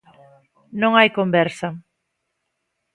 Non hai conversa.